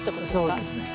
そうですね。